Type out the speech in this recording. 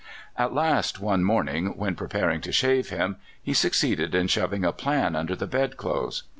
At last, one morning when preparing to shave him, he succeeded in shoving a plan under the bedclothes.